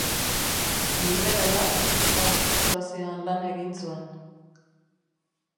Liberala, administrazioan lan egin zuen.